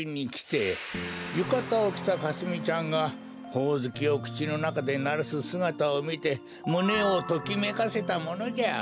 ゆかたをきたかすみちゃんがほおずきをくちのなかでならすすがたをみてむねをときめかせたものじゃ。